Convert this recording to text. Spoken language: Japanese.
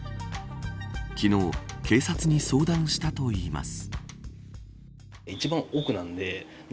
昨日警察に相談したといいます。